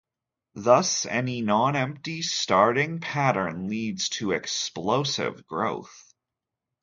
Thus, any nonempty starting pattern leads to explosive growth.